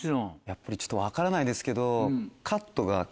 やっぱり分からないですけど。